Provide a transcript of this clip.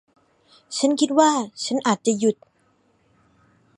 ฉันคิดว่าฉันอาจจะหยุด